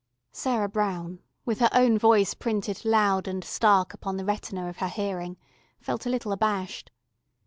Sarah Brown, with her own voice printed loud and stark upon the retina of her hearing, felt a little abashed.